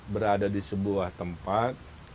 berada di sebuah tempat